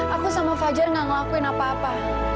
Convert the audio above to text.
aku sama fajar gak ngelakuin apa apa